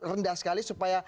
rendah sekali supaya